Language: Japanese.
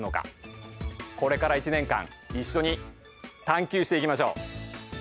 これから１年間一緒に探究していきましょう。